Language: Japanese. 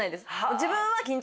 自分は。